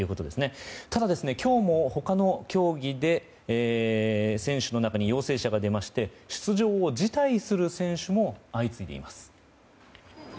ただ、今日も他の競技で選手の中に陽性者が出まして出場を辞退する選手も相次いでいます。